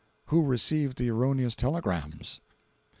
[Who received the erroneous telegrams?